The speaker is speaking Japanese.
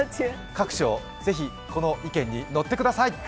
各所、ぜひこの意見に乗ってください。